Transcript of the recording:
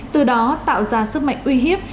từ đó tạo ra sức mạnh uy hiếp